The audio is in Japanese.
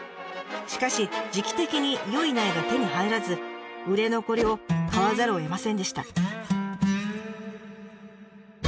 しかし時期的に良い苗が手に入らず売れ残りを買わざるをえませんでした。